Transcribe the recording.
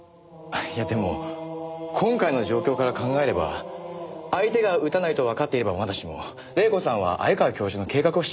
いやでも今回の状況から考えれば相手が撃たないとわかっていればまだしも黎子さんは鮎川教授の計画を知らなかった。